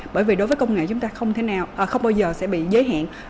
bởi vì đối với công nghệ chúng ta không bao giờ sẽ bị giới hạn